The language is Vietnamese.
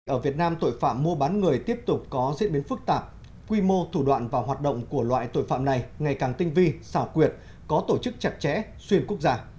ở việt nam tội phạm mua bán người tiếp tục có diễn biến phức tạp quy mô thủ đoạn và hoạt động của loại tội phạm này ngày càng tinh vi xảo quyệt có tổ chức chặt chẽ xuyên quốc gia